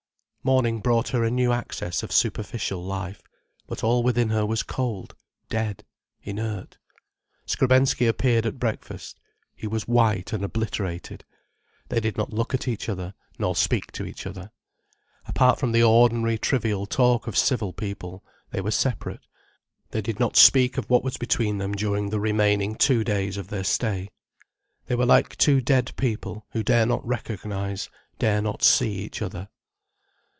Morning brought her a new access of superficial life. But all within her was cold, dead, inert. Skrebensky appeared at breakfast. He was white and obliterated. They did not look at each other nor speak to each other. Apart from the ordinary, trivial talk of civil people, they were separate, they did not speak of what was between them during the remaining two days of their stay. They were like two dead people who dare not recognize, dare not see each other.